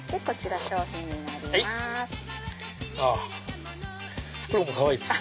あ袋もかわいいですね。